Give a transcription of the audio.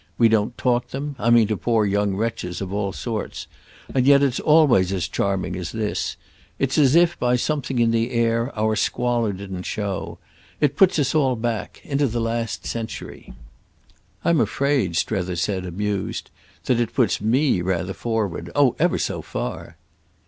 We don't talk them. I mean to poor young wretches of all sorts. And yet it's always as charming as this; it's as if, by something in the air, our squalor didn't show. It puts us all back—into the last century." "I'm afraid," Strether said, amused, "that it puts me rather forward: oh ever so far!"